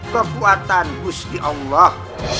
kekuatan husdi allah